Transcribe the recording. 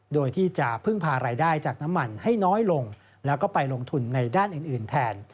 โดยที่จะพึ่งพารายได้จากน้ำมันให้น้อยลงแล้วก็ไปลงทุนในด้านอื่นแทน